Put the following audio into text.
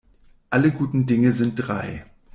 Alle guten Dinge sind drei.